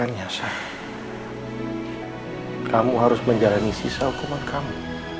rasanya baru sebentar banget mama sama kamu